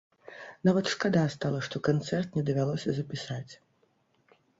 Нават шкада стала, што канцэрт не давялося запісаць.